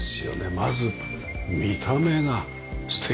まず見た目が素敵。